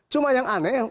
cuma yang aneh